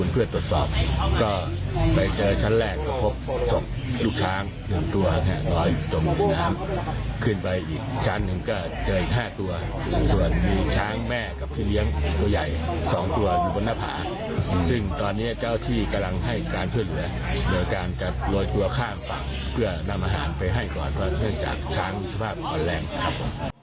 เพื่อนำอาหารไปให้ก่อนเพราะเนื่องจากช้างสภาพอ่อนแรงครับ